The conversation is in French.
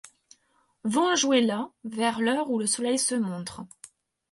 Vont jouer là, vers l'heure où le soleil se montre